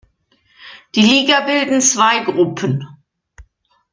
Die Liga bilden zwei Gruppen.